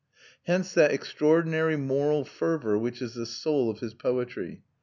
Hence that extraordinary moral fervour which is the soul of his poetry.